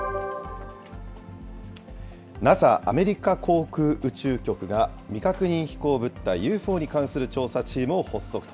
ＮＡＳＡ・アメリカ航空宇宙局が、未確認飛行物体・ＵＦＯに関する調査チームを発足。